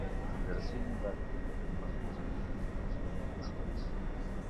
Vlerësimin dhe aktivitetet pasuese të mbikëqyrjes së pajtueshmërisë.